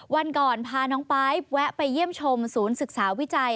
วันก่อนพาน้องปายแวะไปเยี่ยมชมศูนย์ศึกษาวิจัย